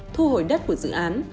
thu hồi đất của dự án